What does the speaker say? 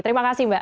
terima kasih mbak